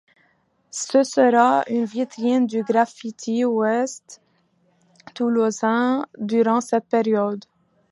Ce sera une vitrine du graffiti ouest toulousain durant cette période.